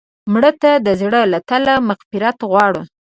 مړه ته د زړه له تله مغفرت غواړو